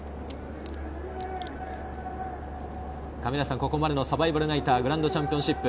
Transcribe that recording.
ここまでのサバイバルナイターグランドチャンピオンシップ。